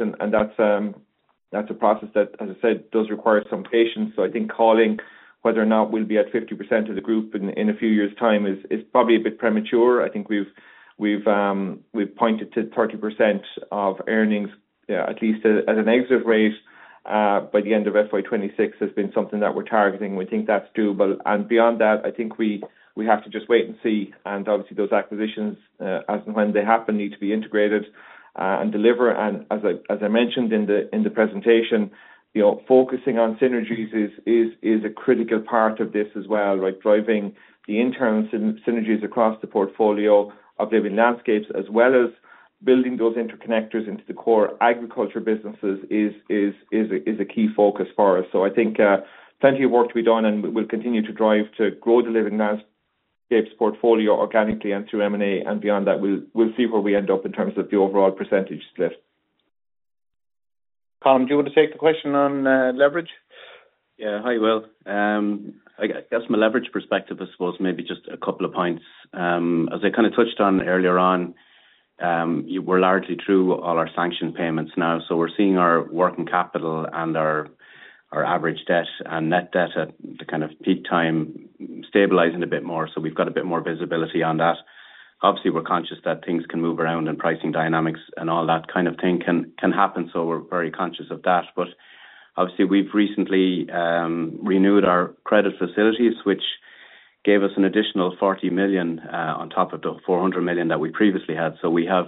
[SPEAKER 3] That's a process that, as I said, does require some patience. I think calling whether or not we'll be at 50% of the group in a few years' time is probably a bit premature. I think we've pointed to 30% of earnings, at least at an exit rate, by the end of FY2026 as being something that we're targeting. We think that's doable. Beyond that, I think we have to just wait and see. Obviously, those acquisitions, as and when they happen, need to be integrated and delivered. As I mentioned in the presentation, focusing on synergies is a critical part of this as well, right? Driving the internal synergies across the portfolio of Living Landscapes, as well as building those interconnectors into the core agriculture businesses, is a key focus for us. I think plenty of work to be done, and we'll continue to drive to grow the Living Landscapes portfolio organically and through M&A. Beyond that, we'll see where we end up in terms of the overall percentage split.
[SPEAKER 2] Colm, do you want to take the question on leverage?
[SPEAKER 4] Yeah. Hi, William. I guess from a leverage perspective, I suppose maybe just a couple of points. As I kind of touched on earlier on, we're largely through all our sanctioned payments now. We're seeing our working capital and our average debt and net debt at the kind of peak time stabilizing a bit more. We've got a bit more visibility on that. Obviously, we're conscious that things can move around and pricing dynamics and all that kind of thing can happen. We're very conscious of that. Obviously, we've recently renewed our credit facilities, which gave us an additional 40 million on top of the 400 million that we previously had. We have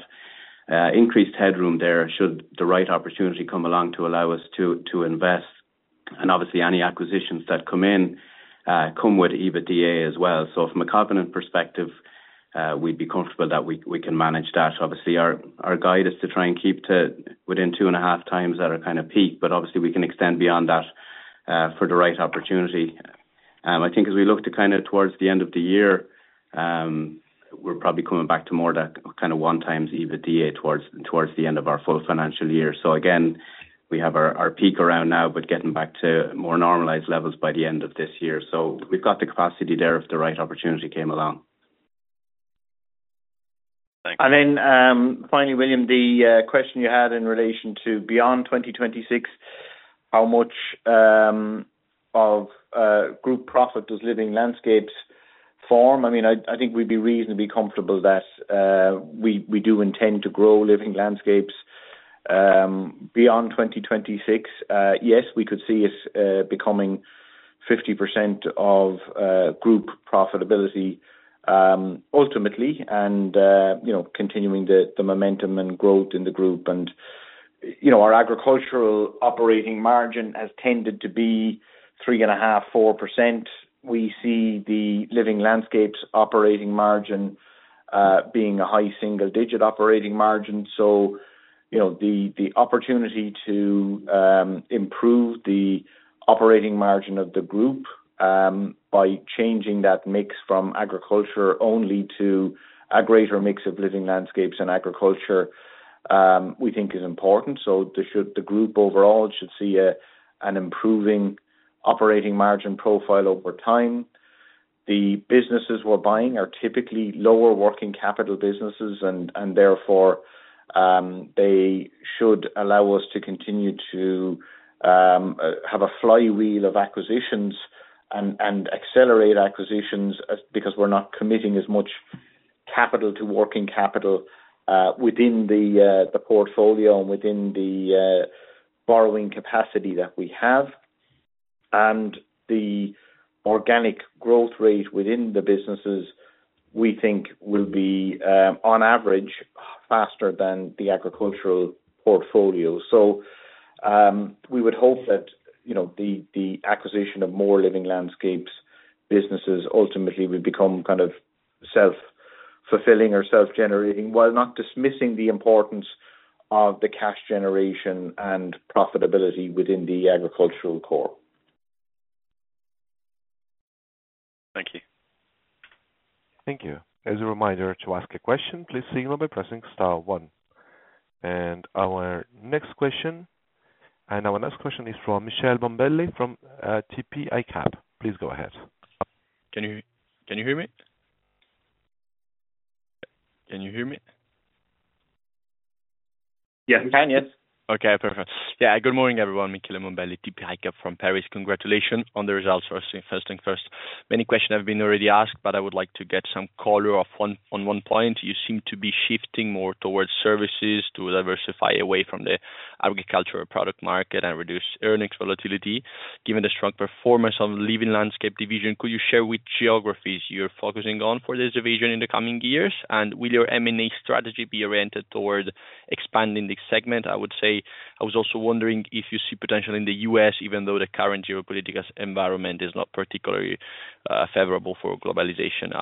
[SPEAKER 4] increased headroom there should the right opportunity come along to allow us to invest. Obviously, any acquisitions that come in come with EBITDA as well. From a carbon perspective, we'd be comfortable that we can manage that. Our guide is to try and keep to within two and a half times at our kind of peak. Obviously, we can extend beyond that for the right opportunity. I think as we look towards the end of the year, we're probably coming back to more of that kind of one times EBITDA towards the end of our full financial year. We have our peak around now, but getting back to more normalized levels by the end of this year. We have the capacity there if the right opportunity came along. Thanks.
[SPEAKER 2] Finally, William, the question you had in relation to beyond 2026, how much of group profit does Living Landscapes form? I mean, I think we'd be reasonably comfortable that we do intend to grow Living Landscapes beyond 2026. Yes, we could see us becoming 50% of group profitability ultimately and continuing the momentum and growth in the group. Our agricultural operating margin has tended to be 3.5-4%. We see the Living Landscapes operating margin being a high single-digit operating margin. The opportunity to improve the operating margin of the group by changing that mix from agriculture only to a greater mix of Living Landscapes and agriculture, we think, is important. The group overall should see an improving operating margin profile over time. The businesses we're buying are typically lower working capital businesses, and therefore, they should allow us to continue to have a flywheel of acquisitions and accelerate acquisitions because we're not committing as much capital to working capital within the portfolio and within the borrowing capacity that we have. The organic growth rate within the businesses, we think, will be on average faster than the agricultural portfolio. We would hope that the acquisition of more Living Landscapes businesses ultimately will become kind of self-fulfilling or self-generating, while not dismissing the importance of the cash generation and profitability within the agricultural core.
[SPEAKER 6] Thank you.
[SPEAKER 1] Thank you. As a reminder to ask a question, please signal by pressing star one. Our next question is from Michel Bombelli from TPI Cap. Please go ahead.
[SPEAKER 7] Can you hear me? Can you hear me?
[SPEAKER 2] Yes, we can. Yes.
[SPEAKER 7] Okay. Perfect. Yeah. Good morning, everyone. Michel Bombelli, TPI Cap from Paris. Congratulations on the results. First thing first, many questions have been already asked, but I would like to get some color on one point. You seem to be shifting more towards services to diversify away from the agricultural product market and reduce earnings volatility. Given the strong performance of the Living Landscapes division, could you share which geographies you're focusing on for this division in the coming years? Will your M&A strategy be oriented toward expanding this segment? I would say I was also wondering if you see potential in the U.S., even though the current geopolitical environment is not particularly favorable for globalization.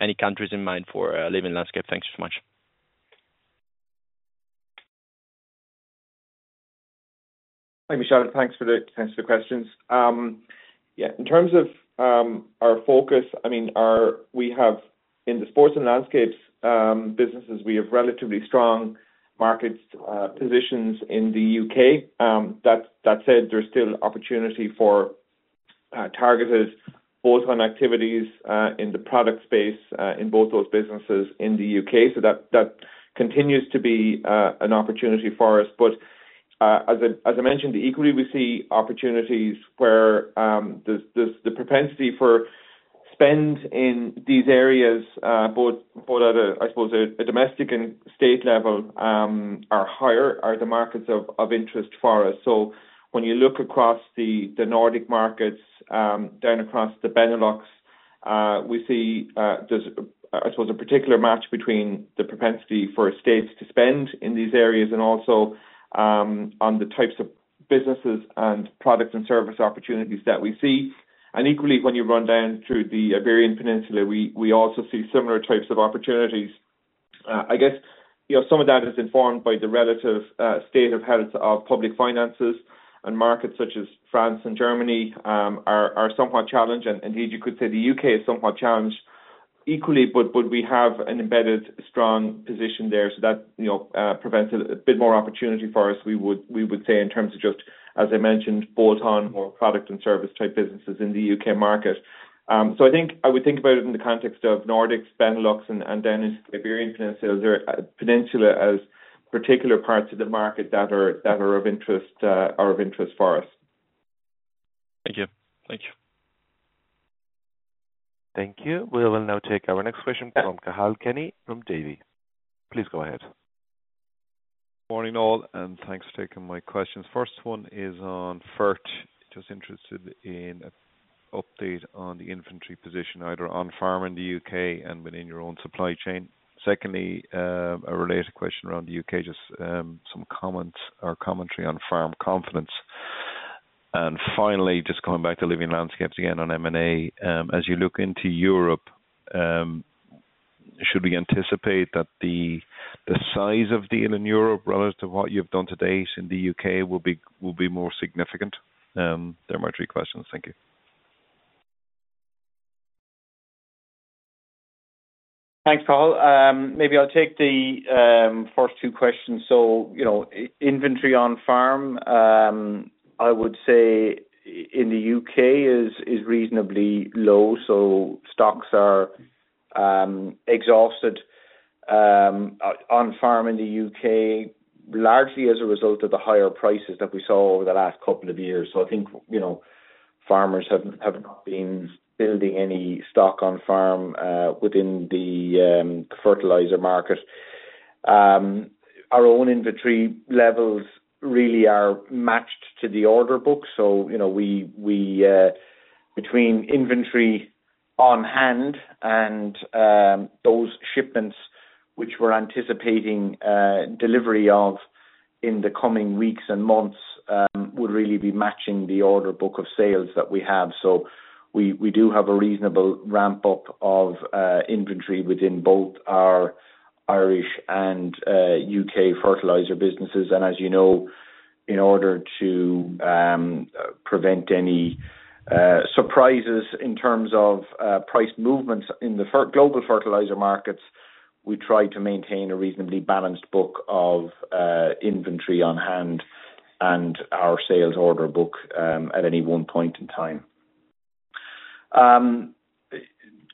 [SPEAKER 7] Any countries in mind for Living Landscapes? Thanks so much.
[SPEAKER 3] Hi, Michel. Thanks for the questions. Yeah. In terms of our focus, I mean, we have in the sports and landscapes businesses, we have relatively strong market positions in the U.K. That said, there is still opportunity for targeted both on activities in the product space in both those businesses in the U.K. That continues to be an opportunity for us. As I mentioned, equally, we see opportunities where the propensity for spend in these areas, both at, I suppose, a domestic and state level, are higher are the markets of interest for us. When you look across the Nordic markets, down across the Benelux, we see, I suppose, a particular match between the propensity for states to spend in these areas and also on the types of businesses and product and service opportunities that we see. Equally, when you run down through the Iberian Peninsula, we also see similar types of opportunities. I guess some of that is informed by the relative state of health of public finances, and markets such as France and Germany are somewhat challenged. Indeed, you could say the U.K. is somewhat challenged equally, but we have an embedded strong position there, so that presents a bit more opportunity for us, we would say, in terms of just, as I mentioned, bolt-on or product and service type businesses in the U.K. market. I would think about it in the context of Nordics, Benelux, and then Iberian Peninsula as particular parts of the market that are of interest for us. Thank you.
[SPEAKER 7] Thank you.
[SPEAKER 1] Thank you. We will now take our next question from Khal Keny from Davy. Please go ahead.
[SPEAKER 8] Morning, all, and thanks for taking my questions. First one is on FERT. Just interested in an update on the inventory position either on farm in the U.K. and within your own supply chain. Secondly, a related question around the U.K., just some comments or commentary on farm confidence. Finally, just coming back to Living Landscapes again on M&A, as you look into Europe, should we anticipate that the size of deal in Europe relative to what you've done to date in the U.K. will be more significant? There are my three questions. Thank you.
[SPEAKER 4] Thanks, Colm. Maybe I'll take the first two questions. Inventory on farm, I would say in the U.K. is reasonably low. Stocks are exhausted on farm in the U.K., largely as a result of the higher prices that we saw over the last couple of years. I think farmers have not been building any stock on farm within the fertilizer market. Our own inventory levels really are matched to the order book. Between inventory on hand and those shipments which we're anticipating delivery of in the coming weeks and months would really be matching the order book of sales that we have. We do have a reasonable ramp-up of inventory within both our Irish and U.K. fertilizer businesses. As you know, in order to prevent any surprises in terms of price movements in the global fertilizer markets, we try to maintain a reasonably balanced book of inventory on hand and our sales order book at any one point in time.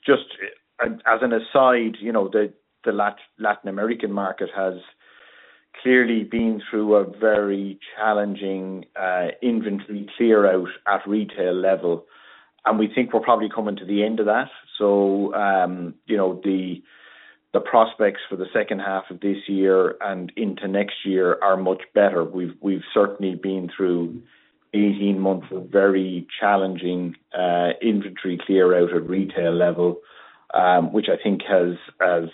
[SPEAKER 4] Just as an aside, the Latin American market has clearly been through a very challenging inventory clearout at retail level. We think we're probably coming to the end of that. The prospects for the second half of this year and into next year are much better. We've certainly been through 18 months of very challenging inventory clearout at retail level, which I think has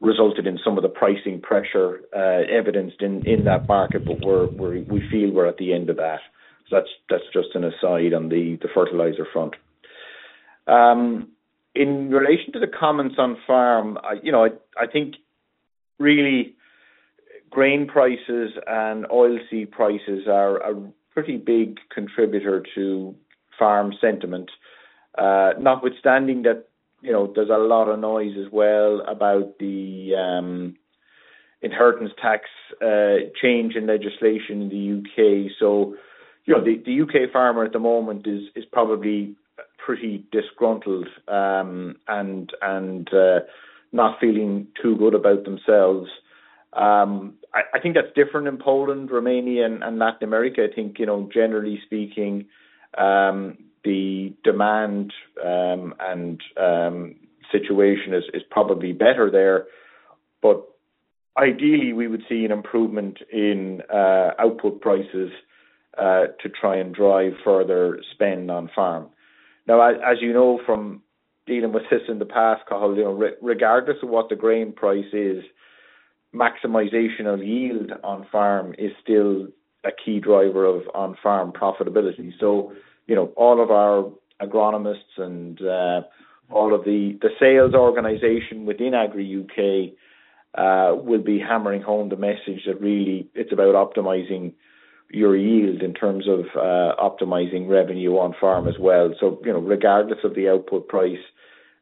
[SPEAKER 4] resulted in some of the pricing pressure evidenced in that market. We feel we're at the end of that. That's just an aside on the fertilizer front. In relation to the comments on farm, I think really grain prices and oilseed prices are a pretty big contributor to farm sentiment. Notwithstanding that there's a lot of noise as well about the inheritance tax change in legislation in the U.K. The U.K. farmer at the moment is probably pretty disgruntled and not feeling too good about themselves. I think that's different in Poland, Romania, and Latin America. I think, generally speaking, the demand and situation is probably better there. Ideally, we would see an improvement in output prices to try and drive further spend on farm. Now, as you know from dealing with this in the past, Colm, regardless of what the grain price is, maximization of yield on farm is still a key driver of on-farm profitability. All of our agronomists and all of the sales organization within Agri U.K. will be hammering home the message that really it's about optimizing your yield in terms of optimizing revenue on farm as well. Regardless of the output price,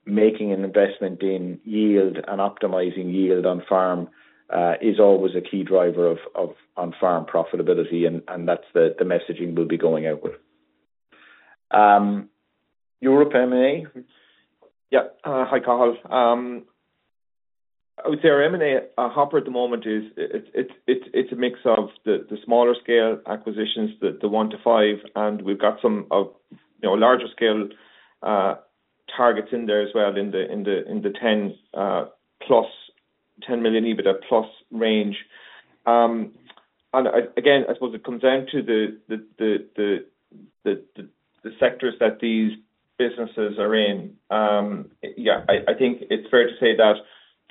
[SPEAKER 4] making an investment in yield and optimizing yield on farm is always a key driver of on-farm profitability. That's the messaging we'll be going out with. Europe M&A? Yeah. Hi, Colm. I would say our M&A hopper at the moment is a mix of the smaller scale acquisitions, the one to five, and we've got some larger scale targets in there as well in the 10-10 million EBITDA plus range. I suppose it comes down to the sectors that these businesses are in. Yeah, I think it's fair to say that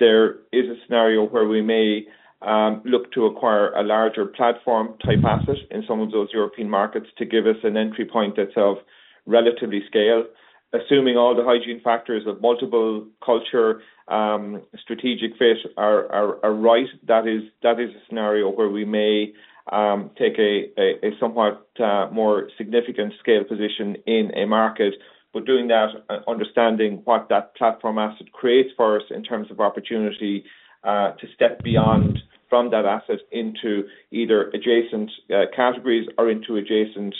[SPEAKER 4] there is a scenario where we may look to acquire a larger platform type asset in some of those European markets to give us an entry point that's of relatively scale. Assuming all the hygiene factors of multiple culture strategic fit are right, that is a scenario where we may take a somewhat more significant scale position in a market. Doing that, understanding what that platform asset creates for us in terms of opportunity to step beyond from that asset into either adjacent categories or into adjacent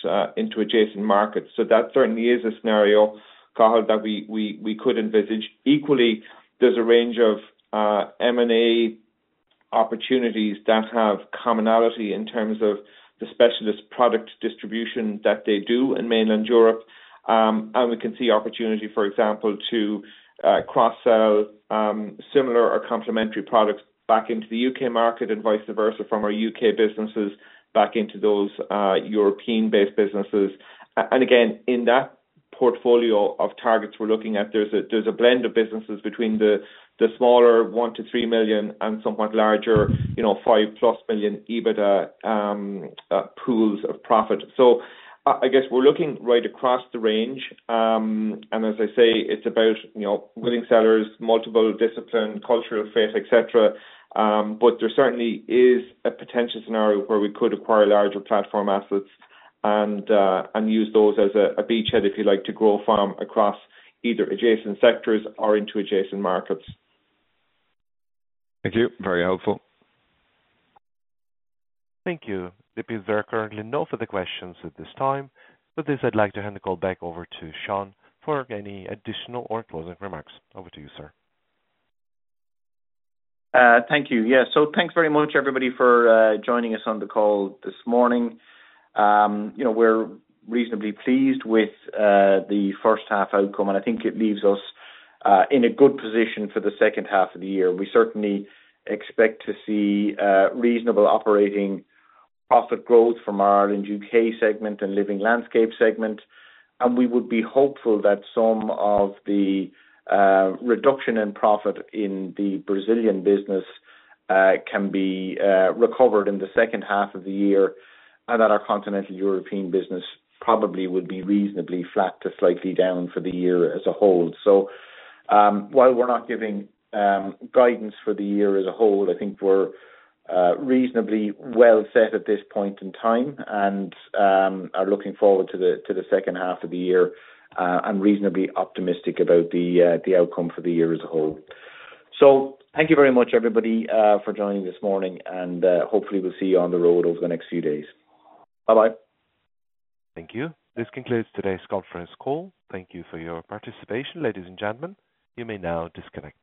[SPEAKER 4] markets. That certainly is a scenario, Colm, that we could envisage. Equally, there's a range of M&A opportunities that have commonality in terms of the specialist product distribution that they do in mainland Europe. We can see opportunity, for example, to cross-sell similar or complementary products back into the U.K. market and vice versa from our U.K. businesses back into those European-based businesses. In that portfolio of targets we are looking at, there is a blend of businesses between the smaller one to three million and somewhat larger five-plus million EBITDA pools of profit. I guess we are looking right across the range. As I say, it is about willing sellers, multiple discipline, cultural fit, etc. There certainly is a potential scenario where we could acquire larger platform assets and use those as a beachhead, if you would like, to grow farm across either adjacent sectors or into adjacent markets.
[SPEAKER 8] Thank you. Very helpful.
[SPEAKER 1] Thank you. There are currently no further questions at this time. With this, I'd like to hand the call back over to Sean for any additional or closing remarks. Over to you, sir.
[SPEAKER 2] Thank you. Yeah. Thanks very much, everybody, for joining us on the call this morning. We're reasonably pleased with the first half outcome, and I think it leaves us in a good position for the second half of the year. We certainly expect to see reasonable operating profit growth from our Ireland U.K. segment and Living Landscapes segment. We would be hopeful that some of the reduction in profit in the Brazilian business can be recovered in the second half of the year, and that our Continental European business probably would be reasonably flat to slightly down for the year as a whole. While we're not giving guidance for the year as a whole, I think we're reasonably well set at this point in time and are looking forward to the second half of the year and reasonably optimistic about the outcome for the year as a whole. Thank you very much, everybody, for joining this morning, and hopefully, we'll see you on the road over the next few days. Bye-bye.
[SPEAKER 1] Thank you. This concludes today's conference call. Thank you for your participation, ladies and gentlemen. You may now disconnect.